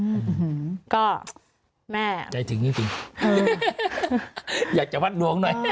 อืมอืมอืมก็แม่อ่ะใจถึงจริงจริงอืมอยากจะวัดรวงหน่อย